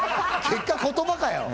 結果、言葉かよ！